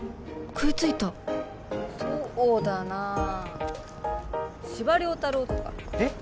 食いついたそうだな司馬遼太郎とかえっ？